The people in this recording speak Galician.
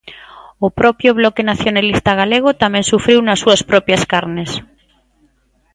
O propio Bloque Nacionalista Galego tamén sufriu nas súas propias carnes.